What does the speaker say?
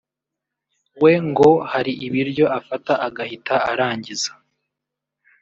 we ngo hari ibiryo afata agahita arangiza